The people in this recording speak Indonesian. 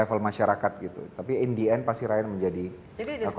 yang bukan level masyarakat gitu tapi in the end pasti rakyat menjadi korbannya gitu